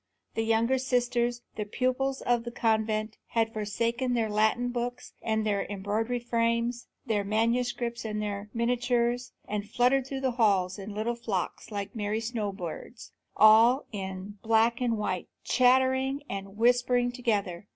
The younger sisters, the pupils of the convent, had forsaken their Latin books and their embroidery frames, their manuscripts and their miniatures, and fluttered through the halls in little flocks like merry snow birds, all in black and white, chattering and whispering together.